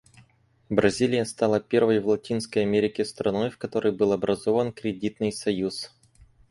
Бразилия стала первой в Латинской Америке страной, в которой был образован кредитный союз.